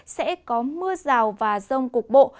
sẽ có mưa rào và rông cục bộ